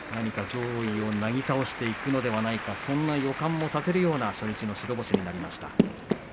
上位をなぎ倒していくのではないかそんな予感をさせるような初日の白星になりました。